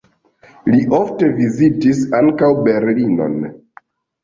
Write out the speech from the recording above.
Li ofte vizitis ankaŭ Berlinon.